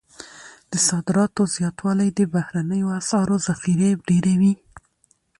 د صادراتو زیاتوالی د بهرنیو اسعارو ذخیرې ډیروي.